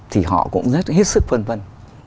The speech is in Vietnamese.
thì họ cũng rất hết sức phân vân